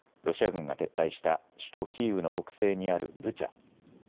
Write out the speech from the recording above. ロシア軍が撤退した首都キーウの北西にあるブチャ。